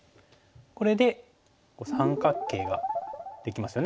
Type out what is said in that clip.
これで三角形ができますよね。